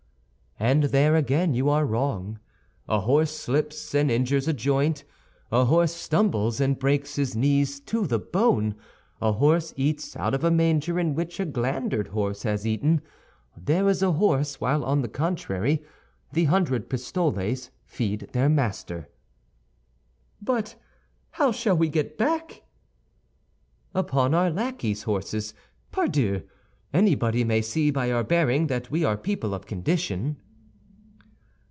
"And there again you are wrong. A horse slips and injures a joint; a horse stumbles and breaks his knees to the bone; a horse eats out of a manger in which a glandered horse has eaten. There is a horse, while on the contrary, the hundred pistoles feed their master." "But how shall we get back?" "Upon our lackey's horses, pardieu. Anybody may see by our bearing that we are people of condition."